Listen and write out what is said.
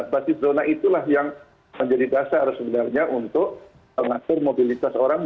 basis zona itulah yang menjadi dasar sebenarnya untuk mengatur mobilitas orang